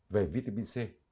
về vitamin c